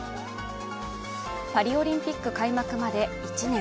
パリオリンピック開幕まで１年。